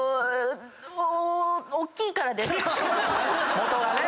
元がね。